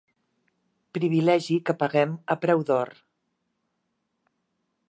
Privilegi que paguem a preu d'or.